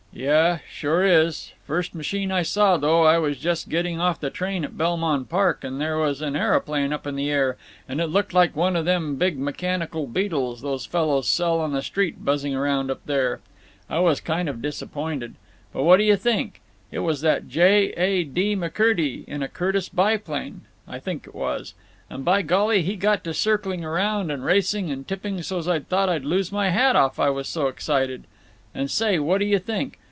"Yuh—sure is. First machine I saw, though—I was just getting off the train at Belmont Park, and there was an areoplane up in the air, and it looked like one of them big mechanical beetles these fellows sell on the street buzzing around up there. I was kind of disappointed. But what do you think? It was that J. A. D. McCurdy, in a Curtiss biplane—I think it was—and by golly! he got to circling around and racing and tipping so's I thought I'd loose my hat off, I was so excited. And, say, what do you think?